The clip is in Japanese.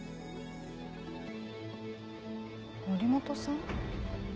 森本さん？